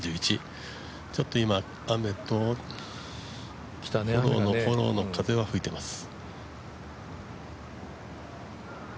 ちょっと今、雨とフォローの風は吹いています。